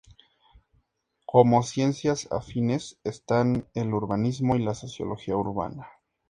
Como ciencias afines están el urbanismo y la sociología urbana.